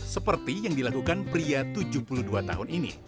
seperti yang dilakukan pria tujuh puluh dua tahun ini